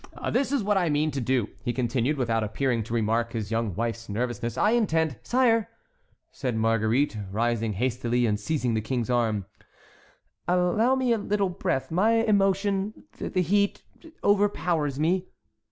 "This is what I mean to do," he continued, without appearing to remark his young wife's nervousness, "I intend"— "Sire," said Marguerite, rising hastily, and seizing the king's arm, "allow me a little breath; my emotion—the heat—overpowers me."